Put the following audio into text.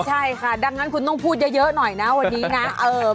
ใช่ค่ะดังนั้นคุณต้องพูดเยอะหน่อยนะวันนี้นะ